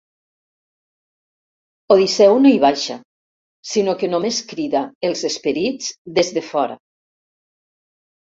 Odisseu no hi baixa, sinó que només crida els esperits des de fora.